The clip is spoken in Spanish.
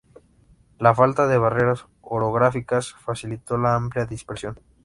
La falta de barreras orográficas facilitó la amplia dispersión.